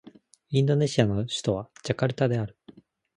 インドネシアの首都はジャカルタである